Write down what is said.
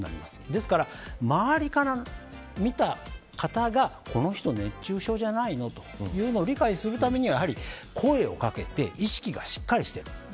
ですから、周りから見た方がこの人、熱中症じゃないの？というのを理解するためには声をかけて意識がしっかりしてるか。